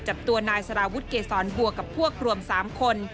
จับตัวนายสารวุฒิเกษรบัวกับพวกรวม๓คน